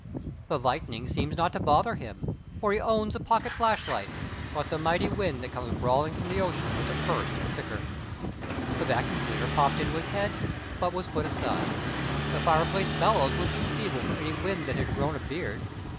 The lightning seems not to bother him, for he owns a pocket flashlight; but the mighty wind that comes brawling from the ocean was at first a sticker. The vacuum cleaner popped into his head, but was put aside. The fireplace bellows were too feeble for any wind that had grown a beard.